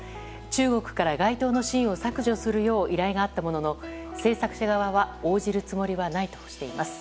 中国から、該当のシーンを削除するよう依頼があったものの制作者側は応じるつもりはないとしています。